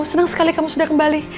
senang sekali kamu sudah kembali